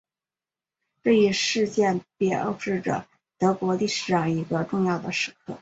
这一事件标志着德国历史上一个重要的时刻。